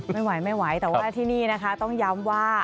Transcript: ไม่ไหวแต่ว่าที่นี่ต้องย้ำว่า